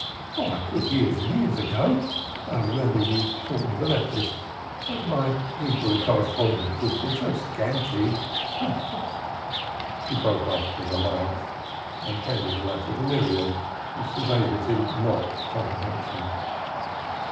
"I could, years and years ago. I remember you taught me the letters. But my Hebrew correspondence has been so scanty " He broke off with a laugh and handed the letter to Miriam, who surveyed it with mock comprehension.